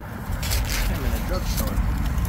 I'm in a drugstore.